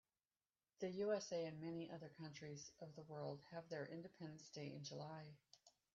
The USA and many other countries of the world have their independence day in July.